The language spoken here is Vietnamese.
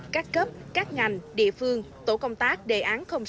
các cấp các ngành địa phương tổ công tác đề án sáu